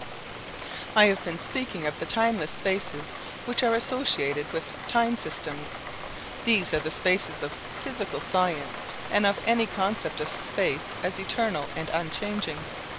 I have been speaking of the timeless spaces which are associated with time systems. These are the spaces of physical science and of any concept of space as eternal and unchanging.